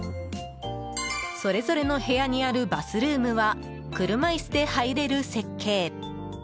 それぞれの部屋にあるバスルームは車椅子で入れる設計。